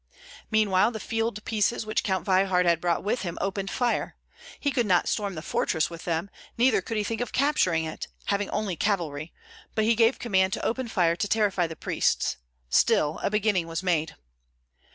Meanwhile the field pieces which Count Veyhard had brought with him opened fire. He could not storm the fortress with them, neither could he think of capturing it, having only cavalry, but he gave command to open fire to terrify the priests. Still a beginning was made.